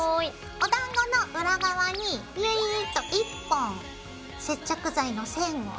おだんごの裏側にビーッと１本接着剤の線をつけます。